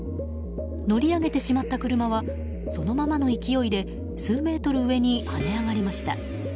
乗り上げてしまった車はそのままの勢いで数メートル上に跳ね上がりました。